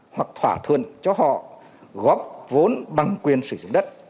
hoặc thỏa thuận cho họ góp vốn bằng quyền sử dụng đất